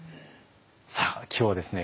さあ今日はですね